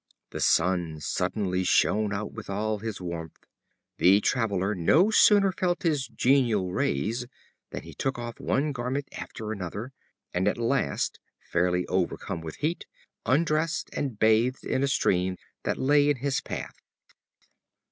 The Sun suddenly shone out with all his warmth. The Traveler no sooner felt his genial rays than he took off one garment after another, and at last, fairly overcome with heat, undressed, and bathed in a stream that lay in his path.